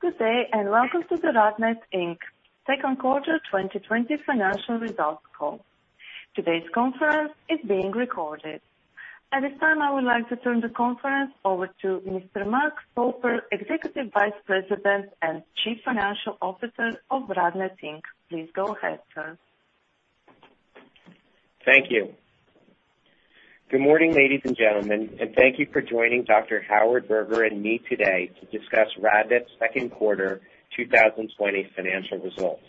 Good day, and welcome to the RadNet Inc second quarter 2020 financial results call. Today's conference is being recorded. At this time, I would like to turn the conference over to Mr. Mark Stolper, Executive Vice President and Chief Financial Officer of RadNet Inc. Please go ahead, sir. Thank you. Good morning, ladies and gentlemen, and thank you for joining Dr. Howard Berger and me today to discuss RadNet's second quarter 2020 financial results.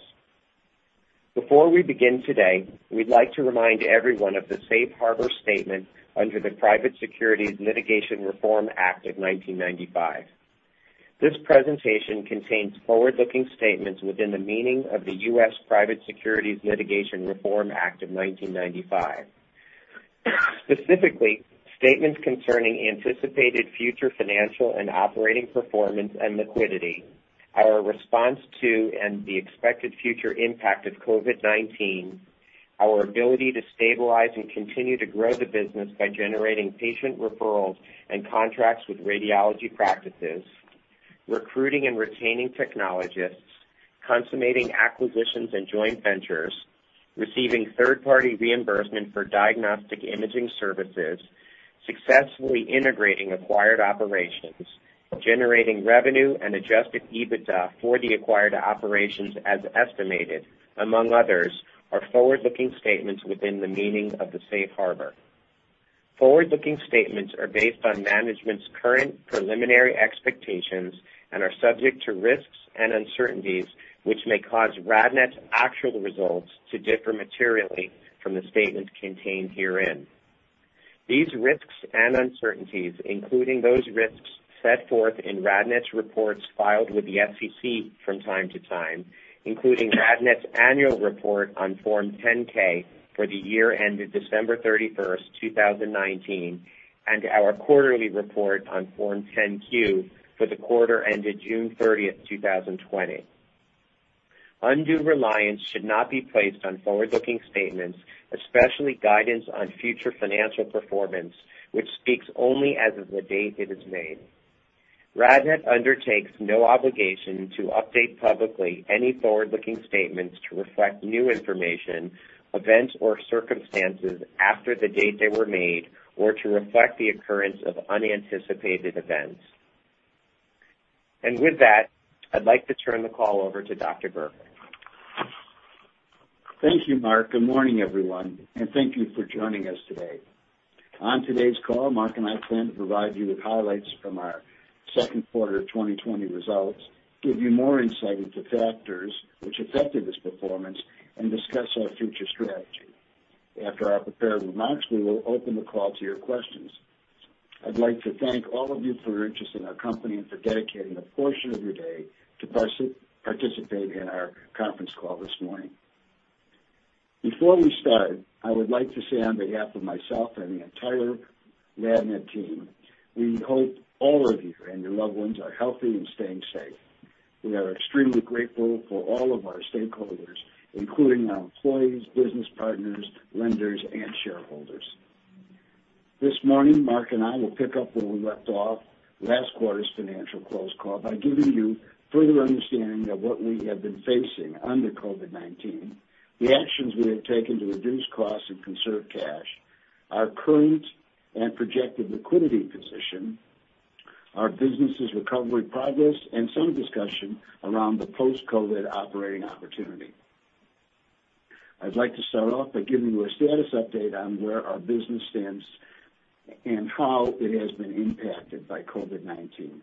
Before we begin today, we'd like to remind everyone of the safe harbor statement under the Private Securities Litigation Reform Act of 1995. This presentation contains forward-looking statements within the meaning of the U.S. Private Securities Litigation Reform Act of 1995. Specifically, statements concerning anticipated future financial and operating performance and liquidity, our response to and the expected future impact of COVID-19, our ability to stabilize and continue to grow the business by generating patient referrals and contracts with radiology practices, recruiting and retaining technologists, consummating acquisitions and joint ventures, receiving third-party reimbursement for diagnostic imaging services, successfully integrating acquired operations, generating revenue and adjusted EBITDA for the acquired operations as estimated, among others, are forward-looking statements within the meaning of the safe harbor. Forward-looking statements are based on management's current preliminary expectations and are subject to risks and uncertainties which may cause RadNet's actual results to differ materially from the statements contained herein. These risks and uncertainties, including those risks set forth in RadNet's reports filed with the SEC from time to time, including RadNet's annual report on Form 10-K for the year ended December 31st, 2019, and our quarterly report on Form 10-Q for the quarter ended June 30th, 2020. Undue reliance should not be placed on forward-looking statements, especially guidance on future financial performance, which speaks only as of the date it is made. RadNet undertakes no obligation to update publicly any forward-looking statements to reflect new information, events, or circumstances after the date they were made, or to reflect the occurrence of unanticipated events. With that, I'd like to turn the call over to Dr. Berger. Thank you, Mark. Good morning, everyone. Thank you for joining us today. On today's call, Mark and I plan to provide you with highlights from our second quarter 2020 results, give you more insight into factors which affected this performance, and discuss our future strategy. After our prepared remarks, we will open the call to your questions. I'd like to thank all of you for your interest in our company and for dedicating a portion of your day to participate in our conference call this morning. Before we start, I would like to say on behalf of myself and the entire RadNet team, we hope all of you and your loved ones are healthy and staying safe. We are extremely grateful for all of our stakeholders, including our employees, business partners, lenders, and shareholders. This morning, Mark and I will pick up where we left off last quarter's financial close call by giving you further understanding of what we have been facing under COVID-19, the actions we have taken to reduce costs and conserve cash, our current and projected liquidity position, our business' recovery progress, and some discussion around the post-COVID operating opportunity. I'd like to start off by giving you a status update on where our business stands and how it has been impacted by COVID-19.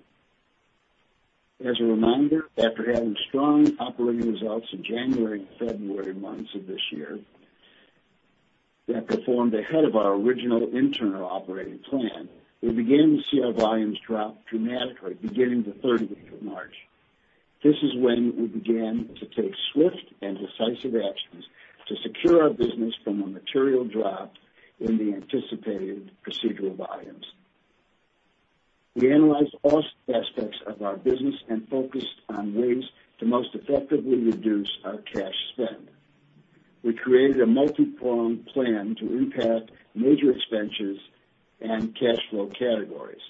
As a reminder, after having strong operating results in January and February months of this year that performed ahead of our original internal operating plan, we began to see our volumes drop dramatically beginning the [30th] of March. This is when we began to take swift and decisive actions to secure our business from a material drop in the anticipated procedural volumes. We analyzed all aspects of our business and focused on ways to most effectively reduce our cash spend. We created a multi-pronged plan to impact major expenses and cash flow categories.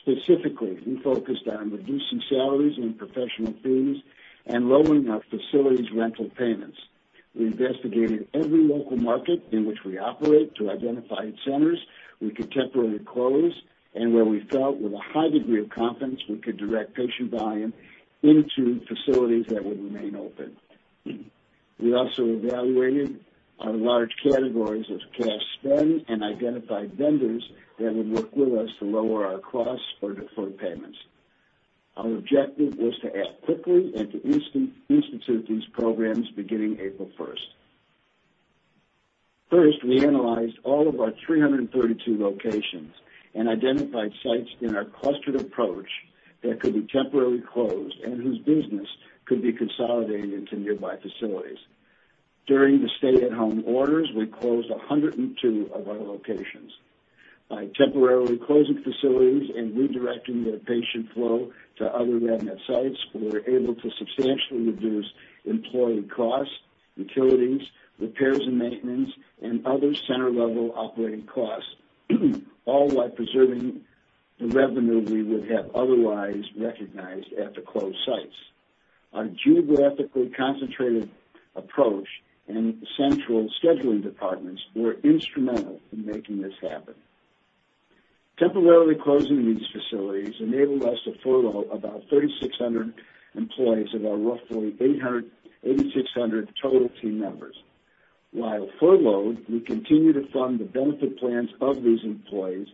Specifically, we focused on reducing salaries and professional fees and lowering our facilities' rental payments. We investigated every local market in which we operate to identify centers we could temporarily close and where we felt with a high degree of confidence we could direct patient volume into facilities that would remain open. We also evaluated our large categories of cash spend and identified vendors that would work with us to lower our costs or defer payments. Our objective was to act quickly and to institute these programs beginning April 1st. First, we analyzed all of our 332 locations and identified sites in our clustered approach that could be temporarily closed and whose business could be consolidated to nearby facilities. During the stay-at-home orders, we closed 102 of our locations. By temporarily closing facilities and redirecting their patient flow to other RadNet sites, we were able to substantially reduce employee costs, utilities, repairs and maintenance, and other center-level operating costs, all while preserving the revenue we would have otherwise recognized at the closed sites. Our geographically concentrated approach and central scheduling departments were instrumental in making this happen. Temporarily closing these facilities enabled us to furlough about 3,600 employees of our roughly 8,600 total team members. While furloughed, we continue to fund the benefit plans of these employees,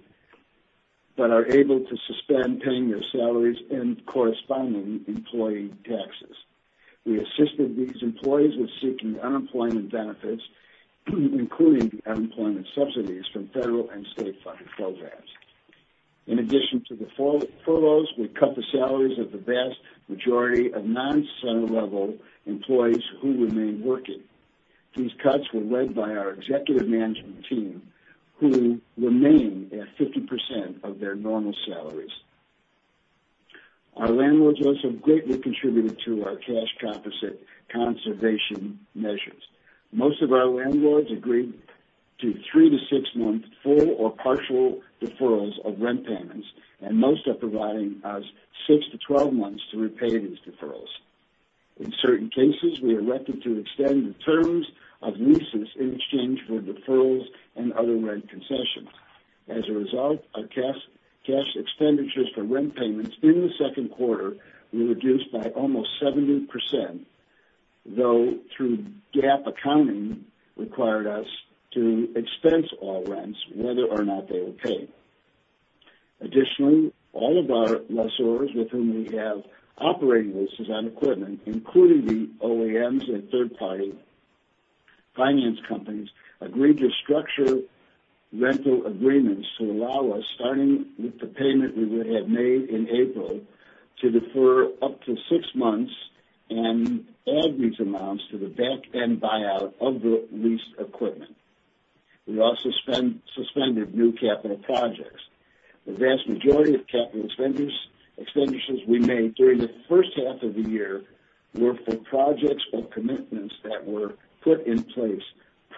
but are able to suspend paying their salaries and corresponding employee taxes. We assisted these employees with seeking unemployment benefits, including unemployment subsidies from federal and state-funded programs. In addition to the furloughs, we cut the salaries of the vast majority of non-center level employees who remained working. These cuts were led by our executive management team, who remain at 50% of their normal salaries. Our landlords also greatly contributed to our cash-positive conservation measures. Most of our landlords agreed to three to six-month full or partial deferrals of rent payments, and most are providing us 6-12 months to repay these deferrals. In certain cases, we elected to extend the terms of leases in exchange for deferrals and other rent concessions. As a result, our cash expenditures for rent payments in the second quarter were reduced by almost 70%, though through GAAP accounting required us to expense all rents, whether or not they were paid. Additionally, all of our lessors with whom we have operating leases on equipment, including the OEMs and third-party finance companies, agreed to structure rental agreements to allow us, starting with the payment we would have made in April, to defer up to six months and add these amounts to the back-end buyout of the leased equipment. We also suspended new capital projects. The vast majority of capital expenditures we made during the first half of the year were for projects or commitments that were put in place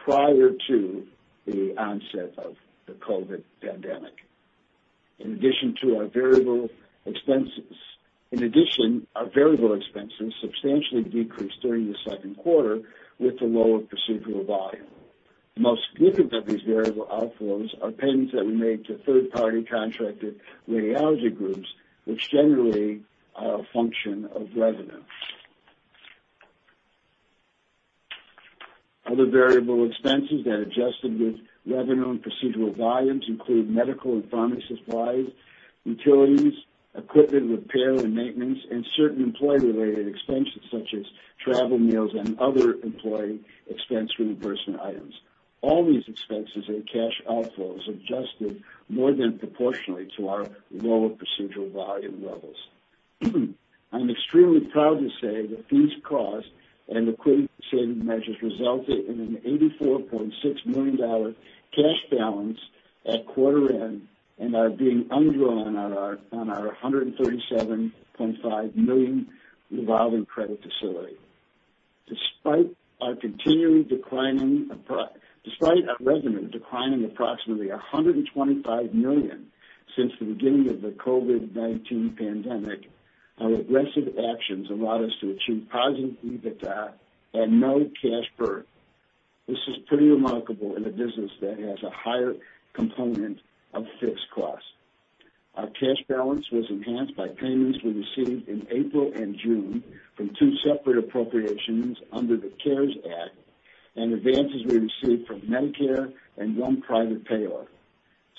prior to the onset of the COVID pandemic. In addition, our variable expenses substantially decreased during the second quarter with the lower procedural volume. The most significant of these variable outflows are payments that we made to third-party contracted radiology groups, which generally are a function of revenue. Other variable expenses that adjusted with revenue and procedural volumes include medical and pharmacy supplies, utilities, equipment repair and maintenance, and certain employee-related expenses, such as travel, meals, and other employee expense reimbursement items. All these expenses and cash outflows adjusted more than proportionally to our lower procedural volume levels. I'm extremely proud to say that these costs and equipment saving measures resulted in an $84.6 million cash balance at quarter end and are being undrawn on our $137.5 million revolving credit facility. Despite our revenue declining approximately $125 million since the beginning of the COVID-19 pandemic, our aggressive actions allowed us to achieve positive EBITDA and no cash burn. This is pretty remarkable in a business that has a higher component of fixed costs. Our cash balance was enhanced by payments we received in April and June from two separate appropriations under the CARES Act and advances we received from Medicare and one private payer.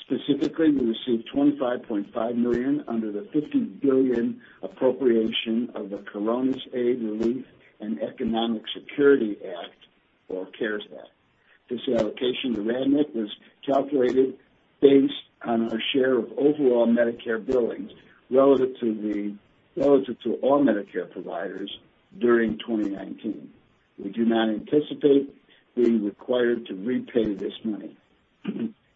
Specifically, we received $25.5 million under the $50 billion appropriation of the Coronavirus Aid, Relief, and Economic Security Act, or CARES Act. This allocation to RadNet was calculated based on our share of overall Medicare billings relative to all Medicare providers during 2019. We do not anticipate being required to repay this money.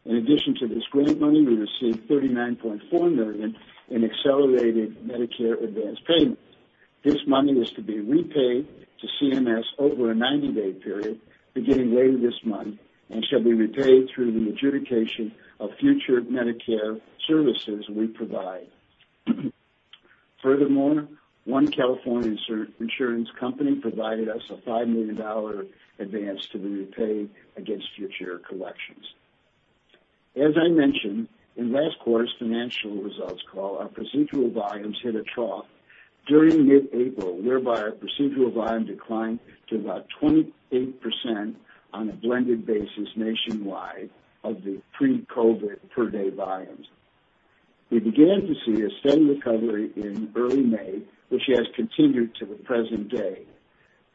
In addition to this grant money, we received $39.4 million in accelerated Medicare advance payments. This money is to be repaid to CMS over a 90-day period beginning later this month and shall be repaid through the adjudication of future Medicare services we provide. Furthermore, one California insurance company provided us a $5 million advance to be repaid against future collections. As I mentioned in last quarter's financial results call, our procedural volumes hit a trough during mid-April, whereby our procedural volume declined to about 28% on a blended basis nationwide of the pre-COVID per-day volumes. We began to see a steady recovery in early May, which has continued to the present day.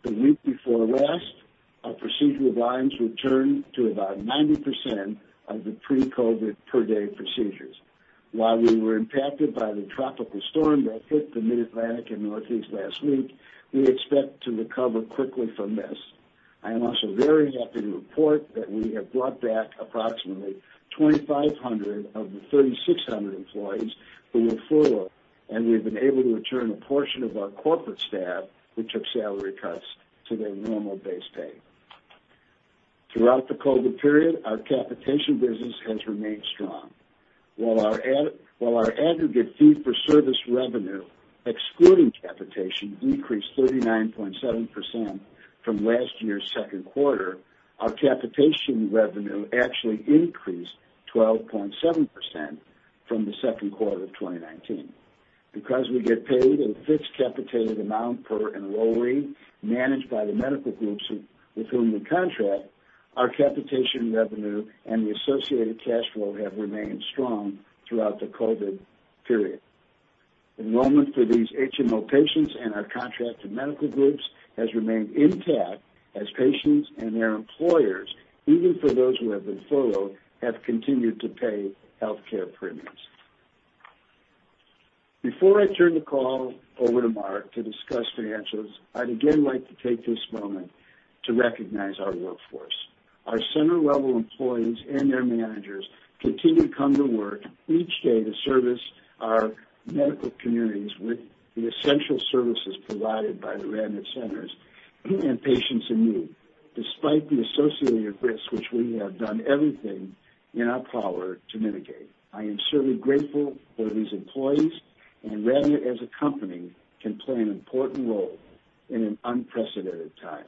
The week before last, our procedural volumes returned to about 90% of the pre-COVID per-day procedures. While we were impacted by the tropical storm that hit the Mid-Atlantic and Northeast last week, we expect to recover quickly from this. I am also very happy to report that we have brought back approximately 2,500 of the 3,600 employees who were furloughed, and we've been able to return a portion of our corporate staff who took salary cuts to their normal base pay. Throughout the COVID period, our capitation business has remained strong. While our aggregate fee-for-service revenue, excluding capitation, decreased 39.7% from last year's second quarter, our capitation revenue actually increased 12.7% from the second quarter of 2019. Because we get paid a fixed capitated amount per enrollee managed by the medical groups with whom we contract, our capitation revenue and the associated cash flow have remained strong throughout the COVID period. Enrollment for these HMO patients and our contracted medical groups has remained intact as patients and their employers, even for those who have been furloughed, have continued to pay healthcare premiums. Before I turn the call over to Mark to discuss financials, I'd again like to take this moment to recognize our workforce. Our center-level employees and their managers continue to come to work each day to service our medical communities with the essential services provided by the RadNet centers and patients in need, despite the associated risks, which we have done everything in our power to mitigate. I am certainly grateful for these employees, and RadNet as a company can play an important role in an unprecedented time.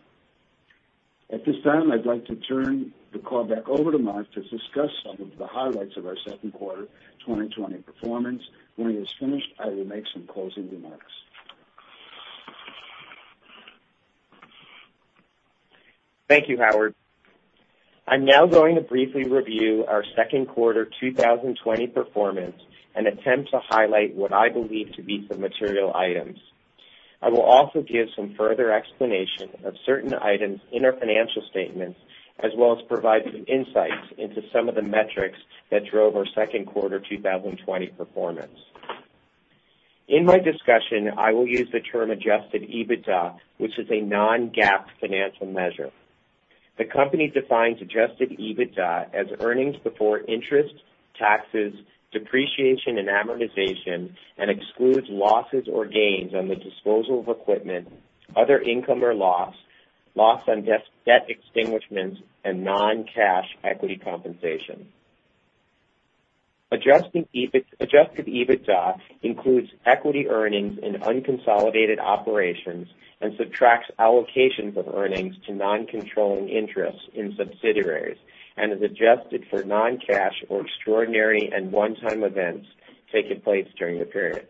At this time, I'd like to turn the call back over to Mark to discuss some of the highlights of our second quarter 2020 performance. When he is finished, I will make some closing remarks. Thank you, Howard. I'm now going to briefly review our second quarter 2020 performance and attempt to highlight what I believe to be some material items. I will also give some further explanation of certain items in our financial statements, as well as provide some insights into some of the metrics that drove our second quarter 2020 performance. In my discussion, I will use the term adjusted EBITDA, which is a non-GAAP financial measure. The company defines adjusted EBITDA as earnings before interest, taxes, depreciation, and amortization, and excludes losses or gains on the disposal of equipment, other income or loss on debt extinguishments, and non-cash equity compensation. Adjusted EBITDA includes equity earnings in unconsolidated operations and subtracts allocations of earnings to non-controlling interests in subsidiaries and is adjusted for non-cash or extraordinary and one-time events taking place during the period.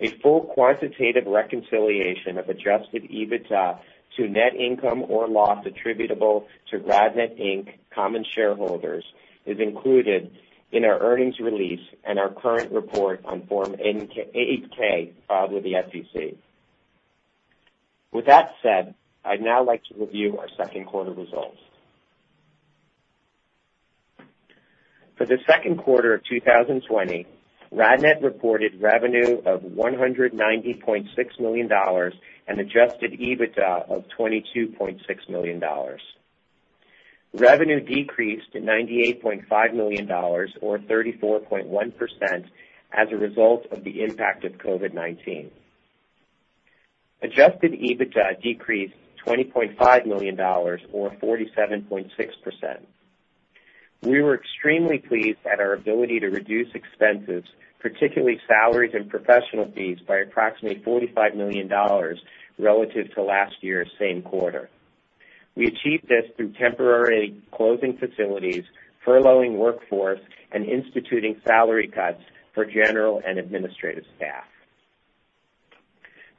A full quantitative reconciliation of adjusted EBITDA to net income or loss attributable to RadNet, Inc common shareholders is included in our earnings release and our current report on Form 8-K filed with the SEC. With that said, I'd now like to review our second quarter results. For the second quarter of 2020, RadNet reported revenue of $190.6 million and adjusted EBITDA of $22.6 million. Revenue decreased to $98.5 million, or 34.1%, as a result of the impact of COVID-19. Adjusted EBITDA decreased $20.5 million, or 47.6%. We were extremely pleased at our ability to reduce expenses, particularly salaries and professional fees, by approximately $45 million relative to last year's same quarter. We achieved this through temporarily closing facilities, furloughing workforce, and instituting salary cuts for general and administrative staff.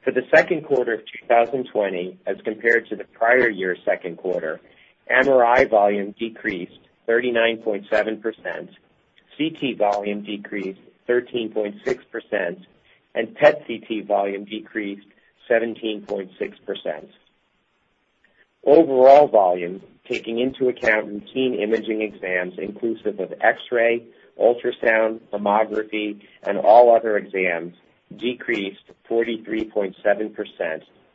For the second quarter of 2020 as compared to the prior year's second quarter, MRI volume decreased 39.7%, CT volume decreased 13.6%, and PET CT volume decreased 17.6%. Overall volume, taking into account routine imaging exams inclusive of x-ray, ultrasound, [mammography], and all other exams, decreased 43.7%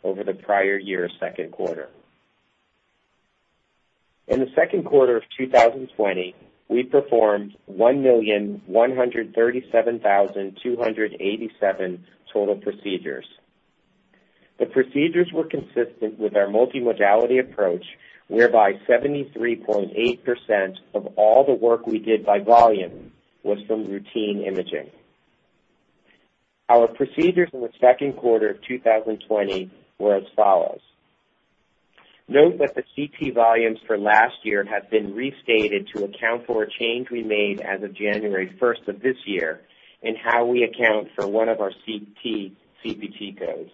over the prior year's second quarter. In the second quarter of 2020, we performed 1,137,287 total procedures. The procedures were consistent with our multi-modality approach, whereby 73.8% of all the work we did by volume was from routine imaging. Our procedures in the second quarter of 2020 were as follows. Note that the CT volumes for last year have been restated to account for a change we made as of January 1st of this year in how we account for one of our CPT codes.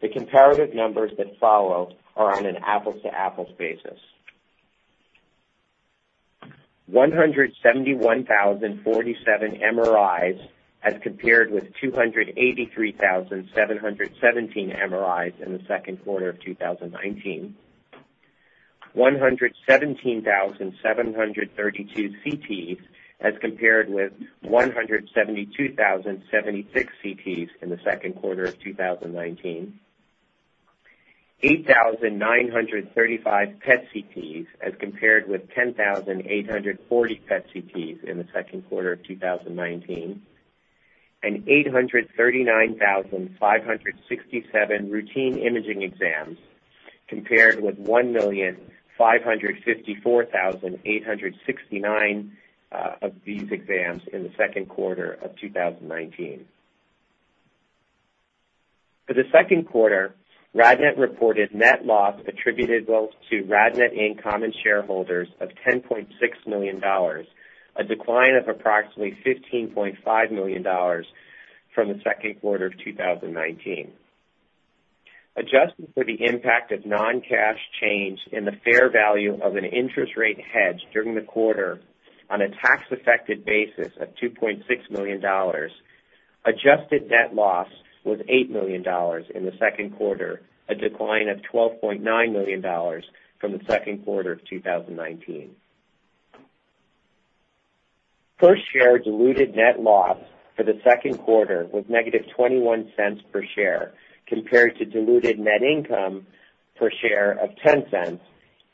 The comparative numbers that follow are on an apples-to-apples basis. 171,047 MRIs as compared with 283,717 MRIs in the second quarter of 2019, 117,732 CTs as compared with 172,076 CTs in the second quarter of 2019, 8,935 PET CTs as compared with 10,840 PET CTs in the second quarter of 2019, and 839,567 routine imaging exams, compared with 1,554,869 of these exams in the second quarter of 2019. For the second quarter, RadNet reported net loss attributable to RadNet, Inc common shareholders of $10.6 million, a decline of approximately $15.5 million from the second quarter of 2019. Adjusted for the impact of non-cash change in the fair value of an interest rate hedge during the quarter on a tax-affected basis of $2.6 million, adjusted net loss was $8 million in the second quarter, a decline of $12.9 million from the second quarter of 2019. Per-share diluted net loss for the second quarter was -$0.21 per share, compared to diluted net income per share of $0.10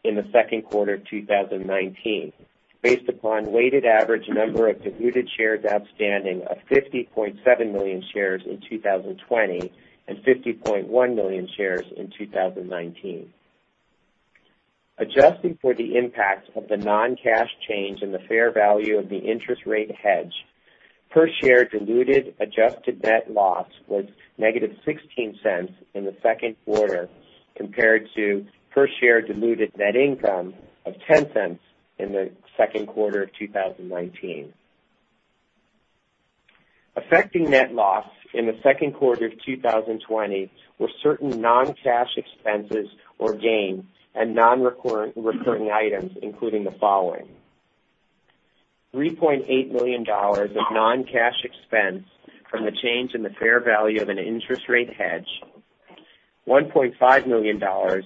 in the second quarter of 2019. Based upon weighted average number of diluted shares outstanding of 50.7 million shares in 2020 and 50.1 million shares in 2019. Adjusting for the impact of the non-cash change in the fair value of the interest rate hedge, per-share diluted adjusted net loss was -$0.16 in the second quarter, compared to per-share diluted net income of $0.10 in the second quarter of 2019. Affecting net loss in the second quarter of 2020 were certain non-cash expenses or gain and non-recurring items, including the following, $3.8 million of non-cash expense from the change in the fair value of an interest rate hedge, $1.5 million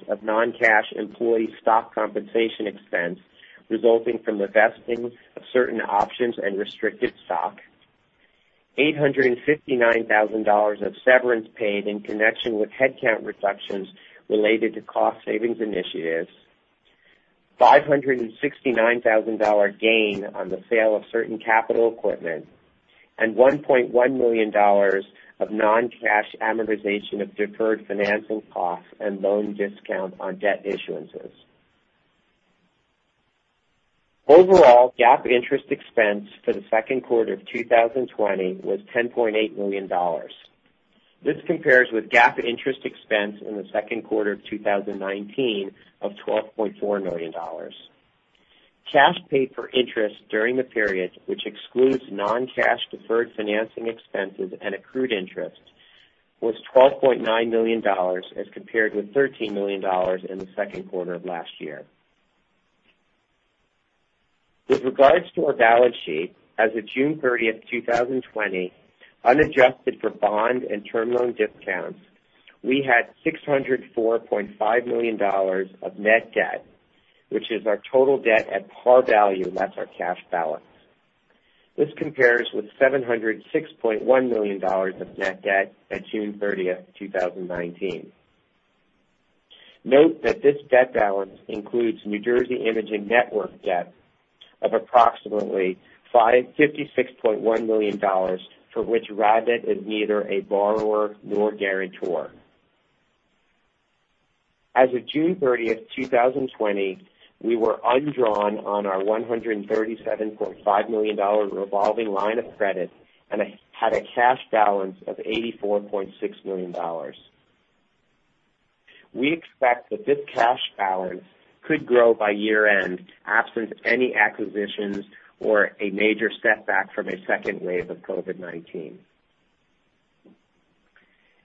of non-cash employee stock compensation expense resulting from the vesting of certain options and restricted stock, $859,000 of severance paid in connection with headcount reductions related to cost savings initiatives, $569,000 gain on the sale of certain capital equipment, and $1.1 million of non-cash amortization of deferred financing costs and loan discount on debt issuances. Overall, GAAP interest expense for the second quarter of 2020 was $10.8 million. This compares with GAAP interest expense in the second quarter of 2019 of $12.4 million. Cash paid for interest during the period, which excludes non-cash deferred financing expenses and accrued interest, was $12.9 million as compared with $13 million in the second quarter of last year. With regards to our balance sheet, as of June 30th, 2020, unadjusted for bond and term loan discounts, we had $604.5 million of net debt, which is our total debt at par value less our cash balance. This compares with $706.1 million of net debt at June 30th, 2019. Note that this debt balance includes New Jersey Imaging Network debt of approximately $56.1 million, for which RadNet is neither a borrower nor guarantor. As of June 30th, 2020, we were undrawn on our $137.5 million revolving line of credit and had a cash balance of $84.6 million. We expect that this cash balance could grow by year-end absent any acquisitions or a major setback from a second wave of COVID-19.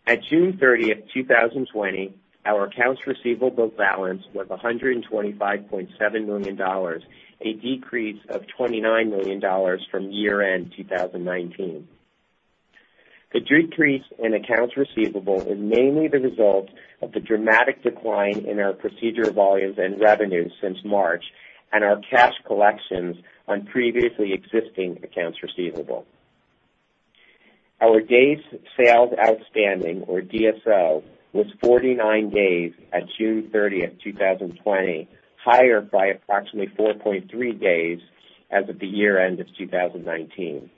At June 30th, 2020, our accounts receivable balance was $125.7 million, a decrease of $29 million from year-end 2019. The decrease in accounts receivable is mainly the result of the dramatic decline in our procedure volumes and revenues since March and our cash collections on previously existing accounts receivable. Our days sales outstanding, or DSO, was 49 days at June 30th, 2020, higher by approximately 4.3 days as of the year-end of 2019.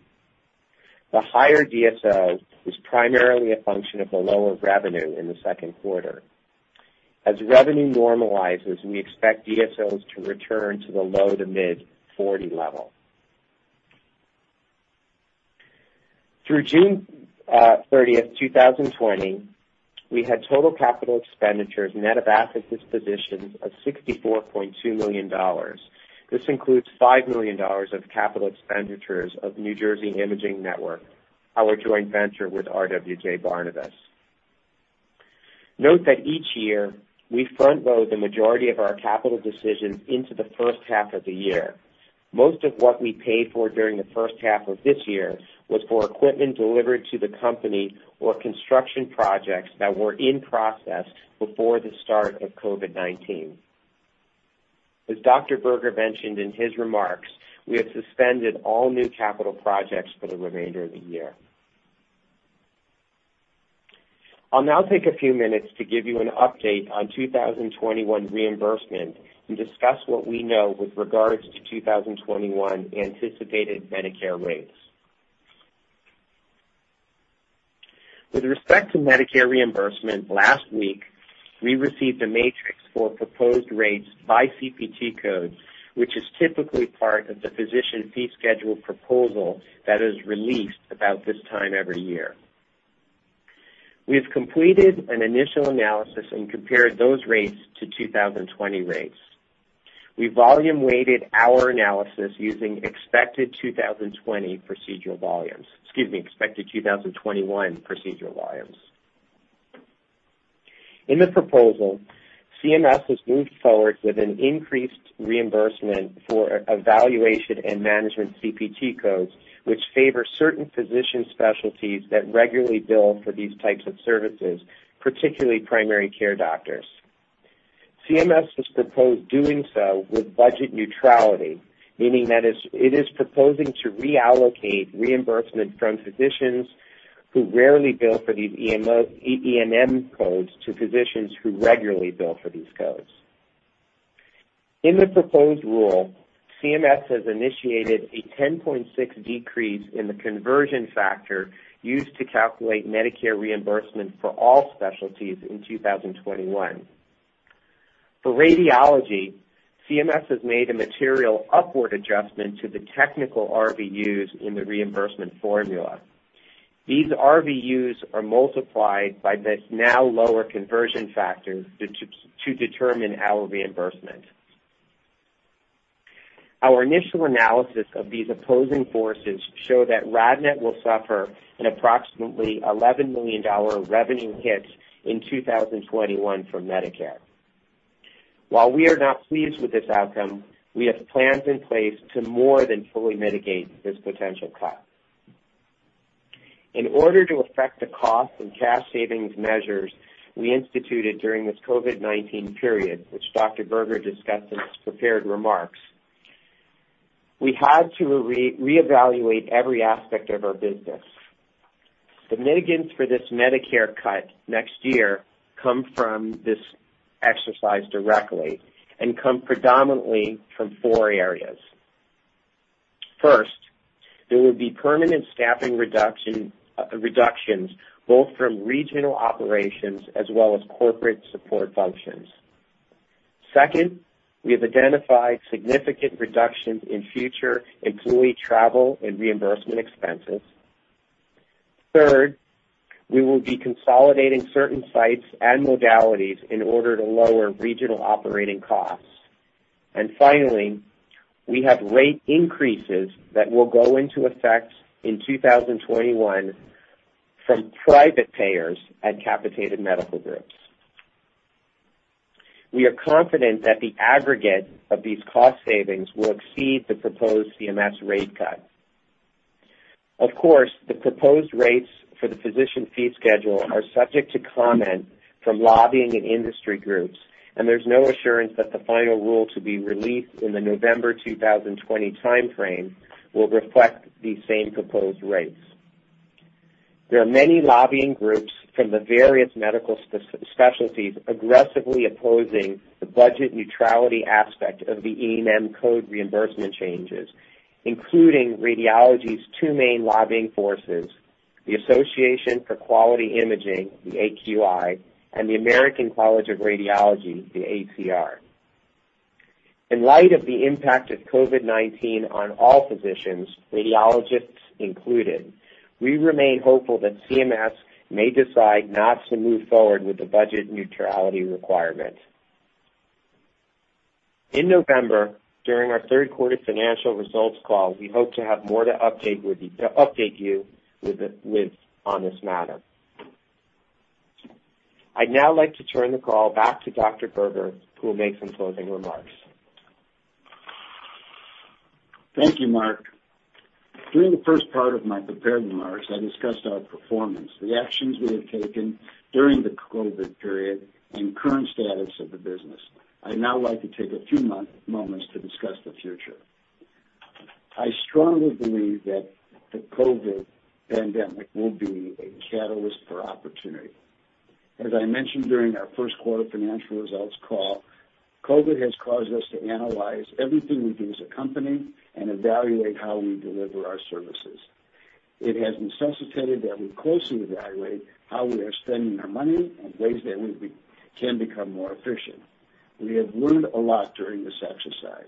The higher DSO is primarily a function of the lower revenue in the second quarter. As revenue normalizes, we expect DSOs to return to the low to mid 40 level. Through June 30th, 2020, we had total capital expenditures net of asset dispositions of $64.2 million. This includes $5 million of capital expenditures of New Jersey Imaging Network, our joint venture with RWJBarnabas. Note that each year, we front-load the majority of our capital decisions into the first half of the year. Most of what we paid for during the first half of this year was for equipment delivered to the company or construction projects that were in process before the start of COVID-19. As Dr. Berger mentioned in his remarks, we have suspended all new capital projects for the remainder of the year. I'll now take a few minutes to give you an update on 2021 reimbursement and discuss what we know with regards to 2021 anticipated Medicare rates. With respect to Medicare reimbursement, last week, we received a matrix for proposed rates by CPT codes, which is typically part of the physician fee schedule proposal that is released about this time every year. We have completed an initial analysis and compared those rates to 2020 rates. We volume-weighted our analysis using expected 2020 procedural volumes. Excuse me, expected 2021 procedural volumes. In the proposal, CMS has moved forward with an increased reimbursement for evaluation and management CPT codes, which favor certain physician specialties that regularly bill for these types of services, particularly primary care doctors. CMS has proposed doing so with budget neutrality, meaning that it is proposing to reallocate reimbursement from physicians who rarely bill for these E&M codes to physicians who regularly bill for these codes. In the proposed rule, CMS has initiated a 10.6 decrease in the conversion factor used to calculate Medicare reimbursement for all specialties in 2021. For radiology, CMS has made a material upward adjustment to the technical RVUs in the reimbursement formula. These RVUs are multiplied by the now lower conversion factor to determine our reimbursement. Our initial analysis of these opposing forces show that RadNet will suffer an approximately $11 million revenue hit in 2021 from Medicare. While we are not pleased with this outcome, we have plans in place to more than fully mitigate this potential cost. In order to affect the cost and cash savings measures we instituted during this COVID-19 period, which Dr. Berger discussed in his prepared remarks, we had to reevaluate every aspect of our business. The mitigants for this Medicare cut next year come from this exercise directly and come predominantly from four areas. First, there will be permanent staffing reductions both from regional operations as well as corporate support functions. Second, we have identified significant reductions in future employee travel and reimbursement expenses. Third, we will be consolidating certain sites and modalities in order to lower regional operating costs. Finally, we have rate increases that will go into effect in 2021 from private payers and capitated medical groups. We are confident that the aggregate of these cost savings will exceed the proposed CMS rate cut. Of course, the proposed rates for the physician fee schedule are subject to comment from lobbying and industry groups, and there's no assurance that the final rule to be released in the November 2020 timeframe will reflect these same proposed rates. There are many lobbying groups from the various medical specialties aggressively opposing the budget neutrality aspect of the E&M code reimbursement changes, including radiology's two main lobbying forces, the Association for Quality Imaging, the AQI, and the American College of Radiology, the ACR. In light of the impact of COVID-19 on all physicians, radiologists included, we remain hopeful that CMS may decide not to move forward with the budget neutrality requirement. In November, during our third quarter financial results call, we hope to have more to update you with on this matter. I'd now like to turn the call back to Dr. Berger, who will make some closing remarks. Thank you, Mark. During the first part of my prepared remarks, I discussed our performance, the actions we have taken during the COVID period, and current status of the business. I'd now like to take a few moments to discuss the future. I strongly believe that the COVID pandemic will be a catalyst for opportunity. As I mentioned during our first quarter financial results call, COVID has caused us to analyze everything we do as a company and evaluate how we deliver our services. It has necessitated that we closely evaluate how we are spending our money and ways that we can become more efficient. We have learned a lot during this exercise.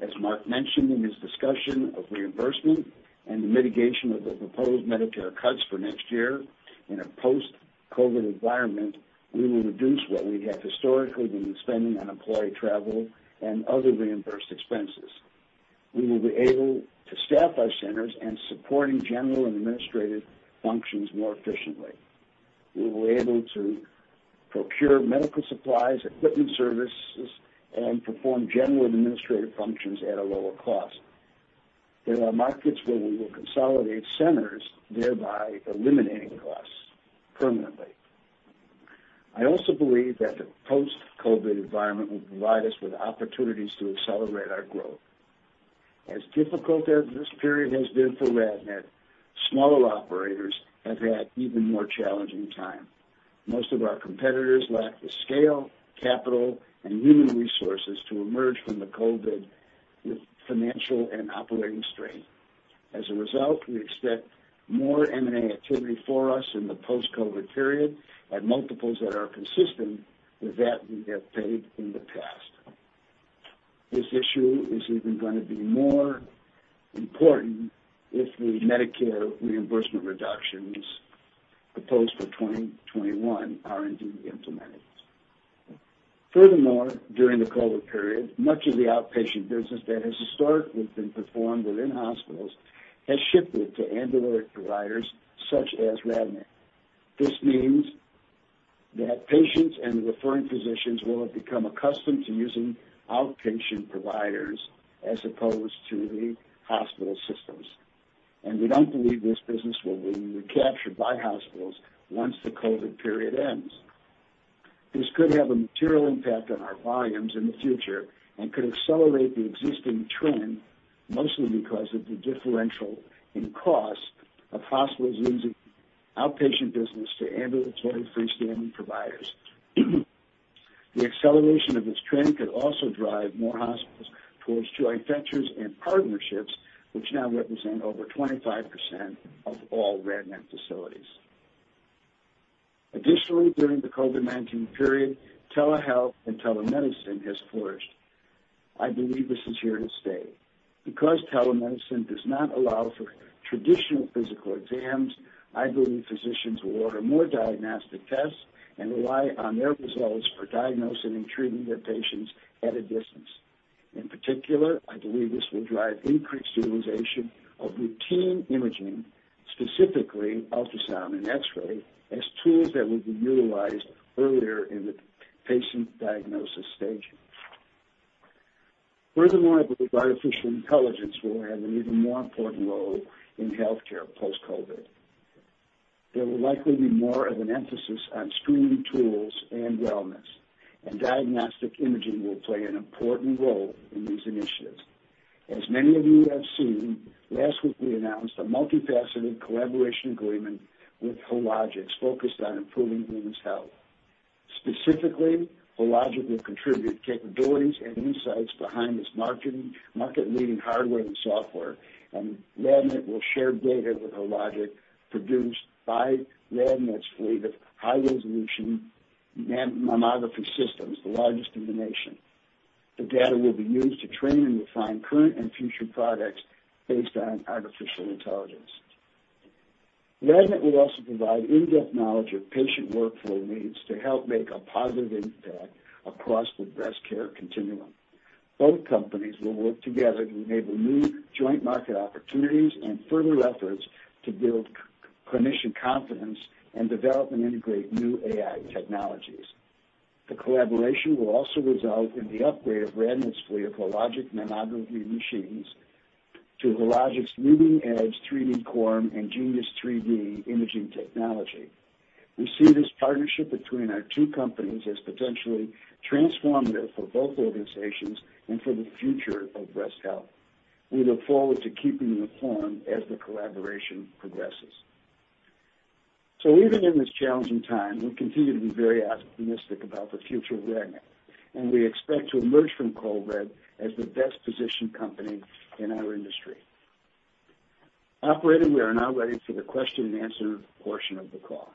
As Mark mentioned in his discussion of reimbursement and the mitigation of the proposed Medicare cuts for next year, in a post-COVID environment, we will reduce what we have historically been spending on employee travel and other reimbursed expenses. We will be able to staff our centers and supporting general and administrative functions more efficiently. We were able to procure medical supplies, equipment services, and perform general administrative functions at a lower cost. There are markets where we will consolidate centers, thereby eliminating costs permanently. I also believe that the post-COVID environment will provide us with opportunities to accelerate our growth. As difficult as this period has been for RadNet, smaller operators have had even more challenging time. Most of our competitors lack the scale, capital, and human resources to emerge from the COVID with financial and operating strength. As a result, we expect more M&A activity for us in the post-COVID period at multiples that are consistent with that we have paid in the past. This issue is even going to be more important if the Medicare reimbursement reductions proposed for 2021 are indeed implemented. During the COVID period, much of the outpatient business that has historically been performed within hospitals has shifted to ambulatory providers such as RadNet. This means that patients and referring physicians will have become accustomed to using outpatient providers as opposed to the hospital systems. We don't believe this business will be recaptured by hospitals once the COVID period ends. This could have a material impact on our volumes in the future and could accelerate the existing trend, mostly because of the differential in cost of hospitals losing outpatient business to ambulatory freestanding providers. The acceleration of this trend could also drive more hospitals towards joint ventures and partnerships, which now represent over 25% of all RadNet facilities. During the COVID-19 period, telehealth and telemedicine has flourished. I believe this is here to stay. Because telemedicine does not allow for traditional physical exams, I believe physicians will order more diagnostic tests and rely on their results for diagnosing and treating their patients at a distance. I believe this will drive increased utilization of routine imaging, specifically ultrasound and x-ray, as tools that will be utilized earlier in the patient diagnosis stage. intelligence will have an even more important role in healthcare post-COVID. There will likely be more of an emphasis on screening tools and wellness, and diagnostic imaging will play an important role in these initiatives. As many of you have seen, last week we announced a multifaceted collaboration agreement with Hologic focused on improving women's health. Specifically, Hologic will contribute capabilities and insights behind its market-leading hardware and software, and RadNet will share data with Hologic produced by RadNet's fleet of high-resolution mammography systems, the largest in the nation. The data will be used to train and refine current and future products based on artificial intelligence. RadNet will also provide in-depth knowledge of patient workflow needs to help make a positive impact across the breast care continuum. Both companies will work together to enable new joint market opportunities and further efforts to build clinician confidence and develop and integrate new AI technologies. The collaboration will also result in the upgrade of RadNet's fleet of Hologic mammography machines to Hologic's leading-edge 3DQuorum and Genius 3D imaging technology. We see this partnership between our two companies as potentially transformative for both organizations and for the future of breast health. We look forward to keeping you informed as the collaboration progresses. Even in this challenging time, we continue to be very optimistic about the future of RadNet, and we expect to emerge from COVID as the best-positioned company in our industry. Operator, we are now ready for the question and answer portion of the call.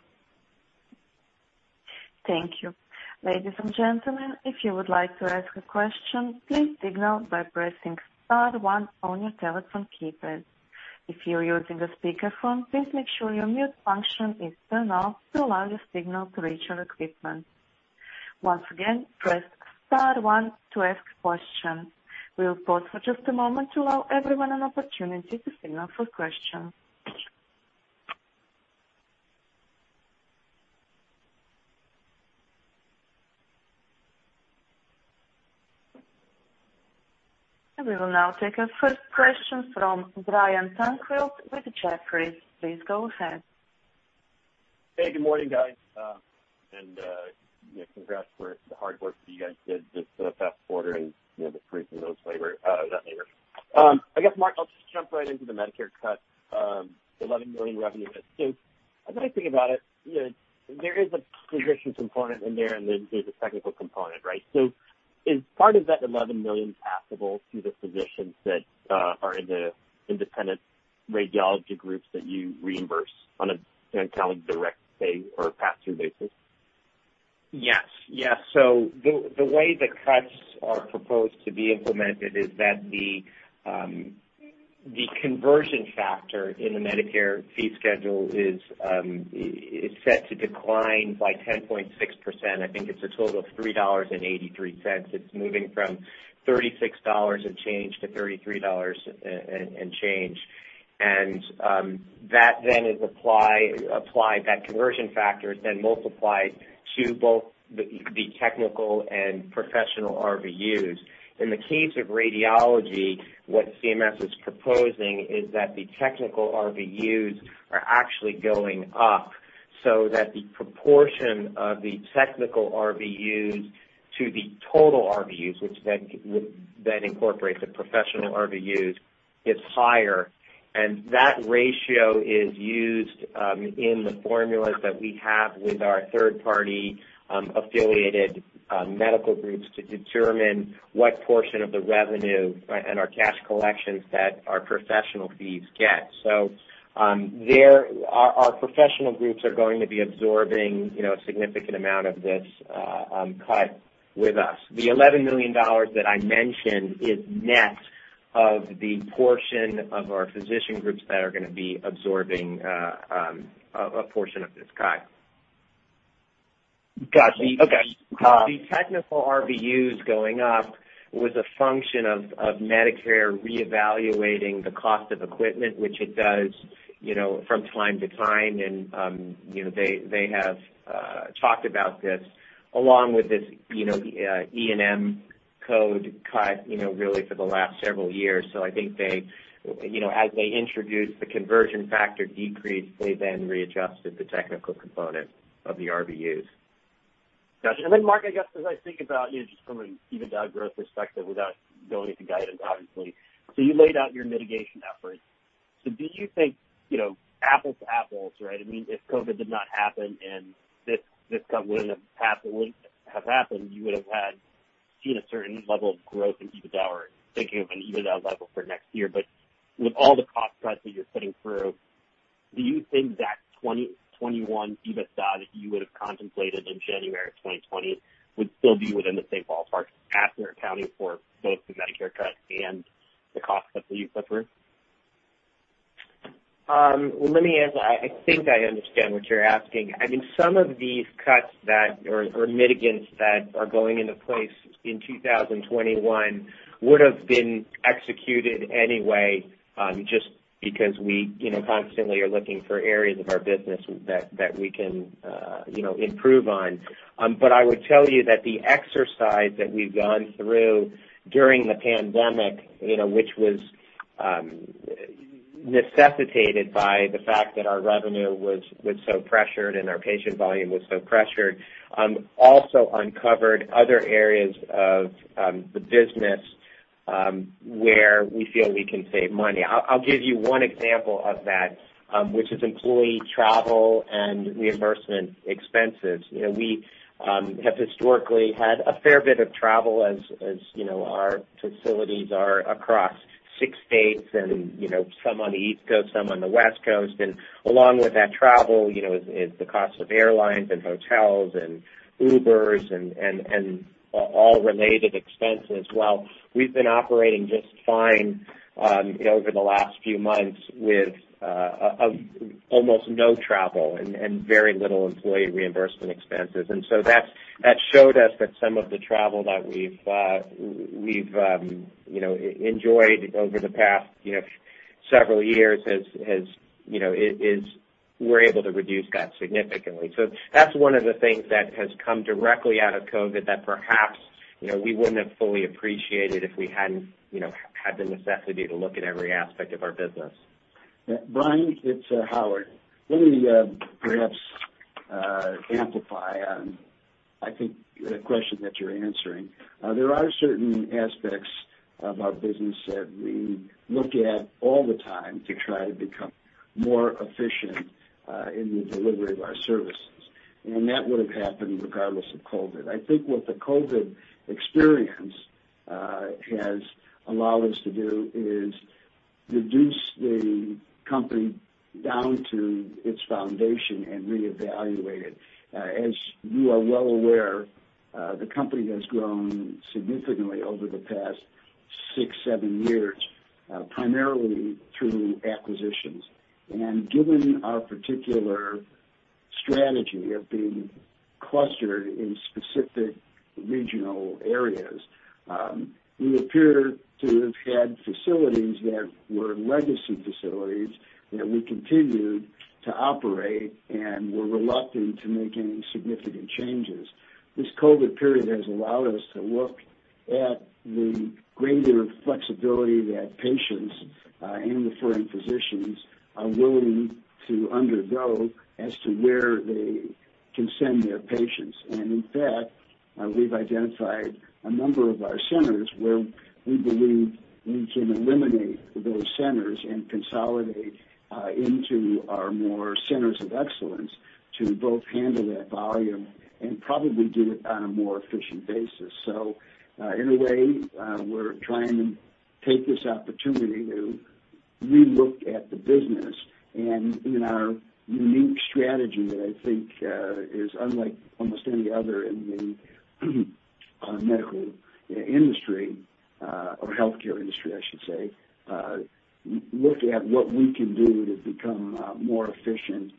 Thank you. Ladies and gentlemen, if you would like to ask a question, please signal by pressing star one on your telephone keypad. If you're using a speakerphone, please make sure your mute function is turned off to allow your signal to reach our equipment. Once again, press star one to ask a question. We will pause for just a moment to allow everyone an opportunity to signal for questions. We will now take our first question from Brian Tanquilut with Jefferies. Please go ahead. Hey, good morning, guys. Congrats for the hard work that you guys did just for the past quarter and the increase in those labor. I guess, Mark, I'll just jump right into the Medicare cut, the $11 million revenue. A nice thing about it, there is a physician component in there, and then there's a technical component, right? Is part of that $11 million passable through the physicians that are in the independent radiology groups that you reimburse on a direct pay or pass-through basis? Yes. The way the cuts are proposed to be implemented is that the, the conversion factor in the Medicare fee schedule is set to decline by 10.6%. I think it's a total of $3.83. It's moving from $36 and change to $33 and change. That then is applied, that conversion factor, is then multiplied to both the technical and professional RVUs. In the case of radiology, what CMS is proposing is that the technical RVUs are actually going up so that the proportion of the technical RVUs to the total RVUs, which then incorporates the professional RVUs, is higher, and that ratio is used in the formulas that we have with our third-party affiliated medical groups to determine what portion of the revenue and our cash collections that our professional fees get. Our professional groups are going to be absorbing a significant amount of this cut with us. The $11 million that I mentioned is net of the portion of our physician groups that are going to be absorbing a portion of this cut. Got you. Okay. The technical RVUs going up was a function of Medicare reevaluating the cost of equipment, which it does from time to time, and they have talked about this along with this E&M code cut really for the last several years. I think as they introduced the conversion factor decrease, they then readjusted the technical component of the RVUs. Got you. Mark, I guess as I think about just from an EBITDA growth perspective, without going into guidance, obviously, you laid out your mitigation efforts. Do you think, apples to apples, right? If COVID did not happen and this cut wouldn't have happened, you would have seen a certain level of growth in EBITDA, or thinking of an EBITDA level for next year. With all the cost cuts that you're putting through, do you think that 2021 EBITDA that you would have contemplated in January of 2020 would still be within the same ballpark after accounting for both the Medicare cut and the cost cuts that you put through? Let me ask. I think I understand what you're asking. Some of these cuts or mitigants that are going into place in 2021 would have been executed anyway, just because we constantly are looking for areas of our business that we can improve on. I would tell you that the exercise that we've gone through during the pandemic, which was necessitated by the fact that our revenue was so pressured and our patient volume was so pressured, also uncovered other areas of the business where we feel we can save money. I'll give you one example of that, which is employee travel and reimbursement expenses. We have historically had a fair bit of travel as our facilities are across six states and some on the East Coast, some on the West Coast, and along with that travel is the cost of airlines and hotels and Ubers and all related expenses. Well, we've been operating just fine over the last few months with almost no travel and very little employee reimbursement expenses. That showed us that some of the travel that we've enjoyed over the past several years, we're able to reduce that significantly. So that's one of the things that has come directly out of COVID that perhaps we wouldn't have fully appreciated if we hadn't had the necessity to look at every aspect of our business. Brian, it's Howard. Let me perhaps amplify on, I think, the question that you're answering. There are certain aspects of our business that we look at all the time to try to become more efficient in the delivery of our services, and that would have happened regardless of COVID. I think what the COVID experience has allowed us to do is reduce the company down to its foundation and reevaluate it. As you are well aware, the company has grown significantly over the past six, seven years, primarily through acquisitions. Given our particular strategy of being clustered in specific regional areas, we appear to have had facilities that were legacy facilities that we continued to operate and we're reluctant to make any significant changes. This COVID period has allowed us to look at the greater flexibility that patients and referring physicians are willing to undergo as to where they can send their patients. In fact, we've identified a number of our centers where we believe we can eliminate those centers and consolidate into our more centers of excellence to both handle that volume and probably do it on a more efficient basis. In a way, we're trying to take this opportunity to re-look at the business and in our unique strategy that I think is unlike almost any other in the medical industry, or healthcare industry, I should say, look at what we can do to become more efficient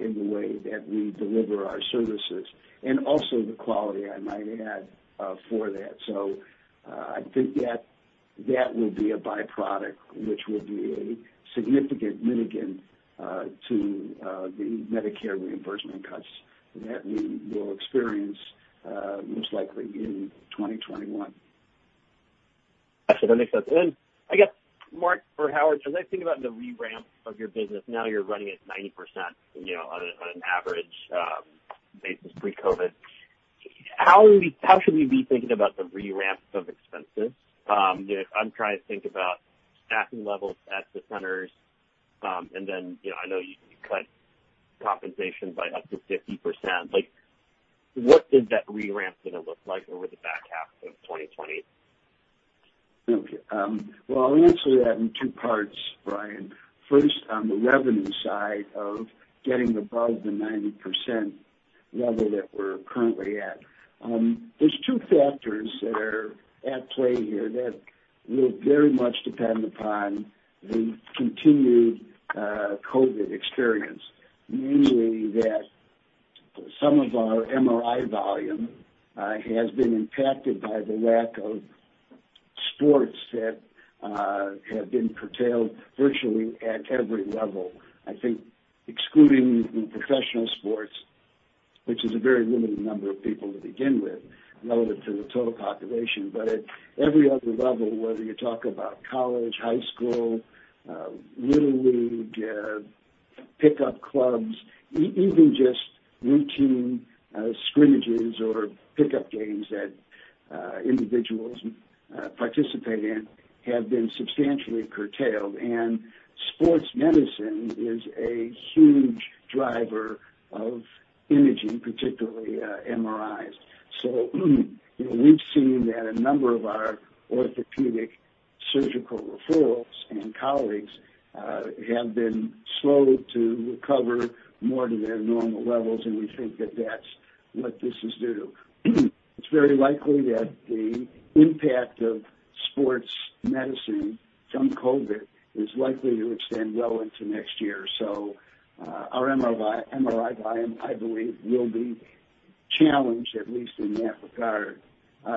in the way that we deliver our services, and also the quality, I might add, for that. I think that will be a byproduct, which will be a significant mitigant to the Medicare reimbursement cuts that we will experience, most likely in 2021. Actually, that makes sense. I guess, Mark or Howard, as I think about the re-ramp of your business, now you're running at 90% on an average basis pre-COVID. How should we be thinking about the re-ramp of expenses? I'm trying to think about staffing levels at the centers, and then, I know you cut compensation by up to 50%. What is that re-ramp going to look like over the back half of 2020? Okay. Well, I'll answer that in two parts, Brian. First, on the revenue side of getting above the 90% level that we're currently at. There's two factors that are at play here that will very much depend upon the continued COVID experience, namely that some of our MRI volume has been impacted by the lack of sports that have been curtailed virtually at every level. I think excluding the professional sports, which is a very limited number of people to begin with relative to the total population. At every other level, whether you talk about college, high school, little league, pickup clubs, even just routine scrimmages or pickup games that individuals participate in, have been substantially curtailed. Sports medicine is a huge driver of imaging, particularly MRIs. We've seen that a number of our orthopedic surgical referrals and colleagues have been slow to recover more to their normal levels, and we think that that's what this is due to. It's very likely that the impact of sports medicine from COVID is likely to extend well into next year. Our MRI volume, I believe, will be challenged, at least in that regard.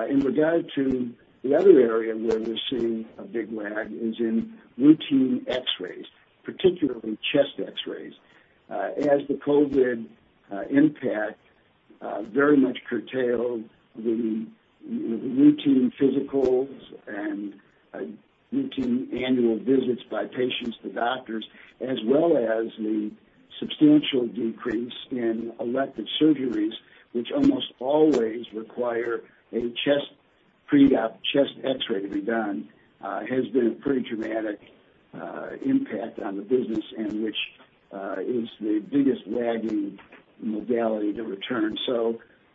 In regard to the other area where we're seeing a big lag is in routine x-rays, particularly chest x-rays. As the COVID impact very much curtailed the routine physicals and routine annual visits by patients to doctors, as well as the substantial decrease in elective surgeries, which almost always require a pre-op chest x-ray to be done has been a pretty dramatic impact on the business, and which is the biggest lagging modality to return.